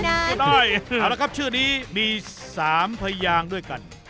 ก็ได้เอาละครับชื่อนี้มี๓พยางด้วยกัน